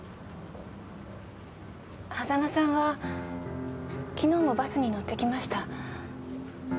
狭間さんは昨日もバスに乗ってきました。